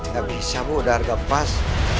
nggak bisa bu udah harga pas